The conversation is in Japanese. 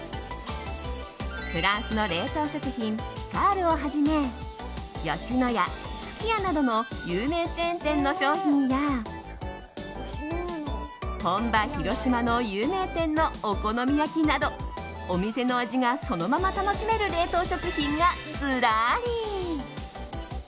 フランスの冷凍食品ピカールをはじめ吉野家、すき家などの有名チェーン店の商品や本場・広島の有名店のお好み焼きなどお店の味がそのまま楽しめる冷凍食品がずらり。